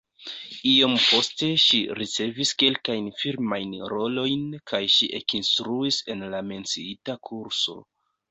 Iom poste ŝi ricevis kelkajn filmajn rolojn kaj ŝi ekinstruis en la menciita kurso.